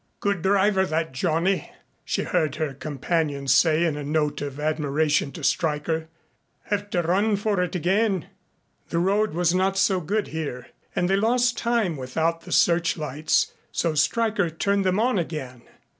"Good driver, that Johnny," she heard her companion say in a note of admiration to Stryker. "Have to run for it again." The road was not so good here and they lost time without the searchlights, so Stryker turned them on again.